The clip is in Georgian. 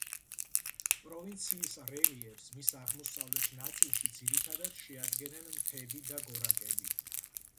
პროვინციის რელიეფს, მის აღმოსავლეთ ნაწილში ძირითადად შეადგენენ მთები და გორაკები.